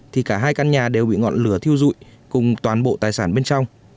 thì cả hai căn nhà đều bị ngọn lửa thiêu dụi cùng toàn bộ tài sản bên trong